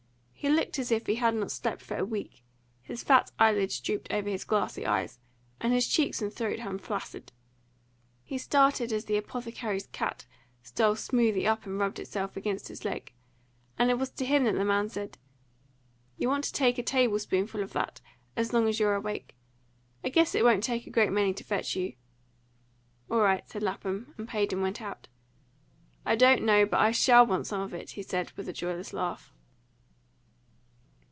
He looked as if he had not slept for a week; his fat eyelids drooped over his glassy eyes, and his cheeks and throat hung flaccid. He started as the apothecary's cat stole smoothly up and rubbed itself against his leg; and it was to him that the man said, "You want to take a table spoonful of that, as long as you're awake. I guess it won't take a great many to fetch you." "All right," said Lapham, and paid and went out. "I don't know but I SHALL want some of it," he said, with a joyless laugh.